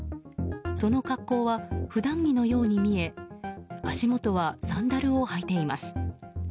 その格好は普段着のように見え足元はサンダルを履いています。